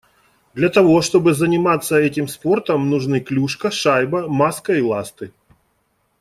Для того, чтобы заниматься этим спортом нужны клюшка, шайба, маска и ласты.